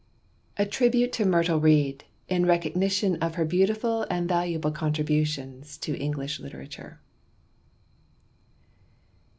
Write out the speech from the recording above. A tribute to Myrtle Reed in recognition of her beautiful and valuable contributions to English literature.